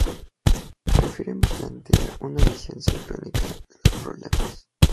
Prefieren plantear una visión sincrónica de los problemas.